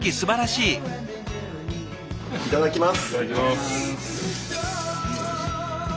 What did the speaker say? いただきます。